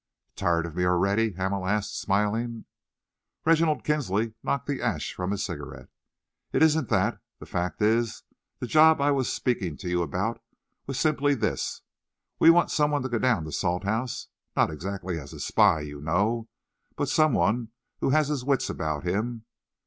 "Tired of me already?" Hamel asked, smiling. Reginald Kinsley knocked the ash from his cigarette. "It isn't that. The fact is, that job I was speaking to you about was simply this. We want some one to go down to Salthouse not exactly as a spy, you know, but some one who has his wits about him.